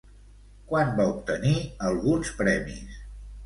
Quan va obtenir alguns premis?